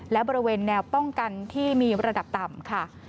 และบริเวณแนวป้องกันที่มีระดับต่ำค่ะ